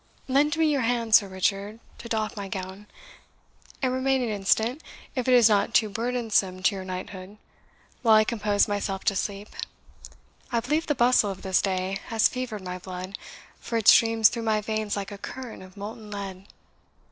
Lend me your hand, Sir Richard, to doff my gown; and remain an instant, if it is not too burdensome to your knighthood, while I compose myself to sleep. I believe the bustle of this day has fevered my blood, for it streams through my veins like a current of molten lead.